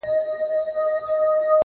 هر منزل له ثبات سره نږدې کېږي